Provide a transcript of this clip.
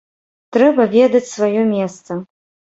Трэба ведаць сваё месца.